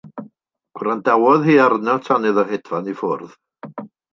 Gwrandawodd hi arno tan iddo hedfan i ffwrdd.